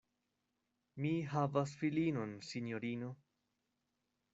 Mi havas filinon, sinjorino!